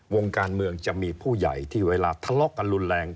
วงการเมืองจะมีผู้ใหญ่ที่เวลาทะเลาะกันรุนแรง